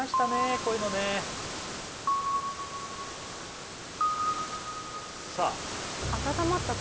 こういうのねさあ